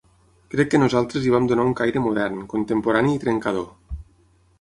Crec que nosaltres hi vam donar un caire modern, contemporani i trencador.